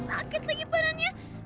sakit lagi parahnya